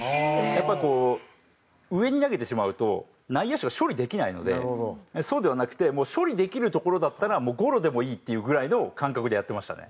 やっぱりこう上に投げてしまうと内野手が処理できないのでそうではなくて処理できる所だったらゴロでもいいっていうぐらいの感覚でやってましたね。